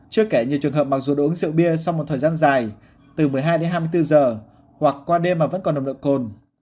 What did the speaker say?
chưa kể nhiều trường hợp mặc dù đã uống rượu bia sau một thời gian dài từ một mươi hai đến hai mươi bốn giờ hoặc qua đêm mà vẫn còn nồng độ cồn